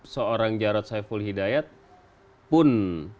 seorang jarod saiful hidayat pun